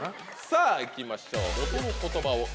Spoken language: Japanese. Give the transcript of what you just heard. さぁ行きましょう。